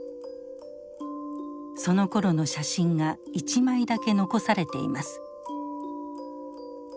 そのころの写真が１枚だけ残されています。